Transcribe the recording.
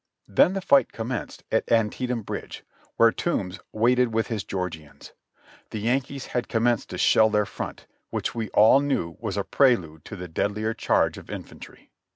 Then the fight commenced at Antietam Bridge, where Toombs waited with his Georgians. The Yankees had commenced to shell their front, which we all knew was a prelude to the deadlier charge of infantry.